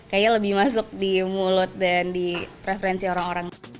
kayaknya lebih masuk di mulut dan di preferensi orang orang